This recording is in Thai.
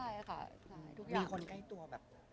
บางทีเค้าแค่อยากดึงเค้าต้องการอะไรจับเราไหล่ลูกหรือยังไง